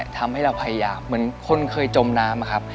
ทำให้เราพยายามเหมือนคนเคยจมน้ำอะครับ